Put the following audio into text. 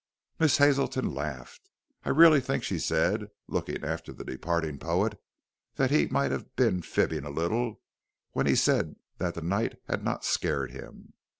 Miss Hazelton laughed. "I really think," she said, looking after the departing poet, "that he might have been fibbing a little when he said that the 'night' had not 'scared' him.